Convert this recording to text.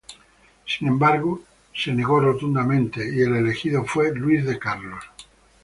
Sin embargo, se negó rotundamente y el elegido fue Luis de Carlos.